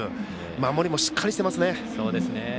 守りも、しっかりしてますね。